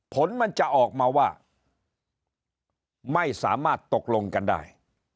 ผลมันจะออกมาว่าไม่สามารถตกลงกันได้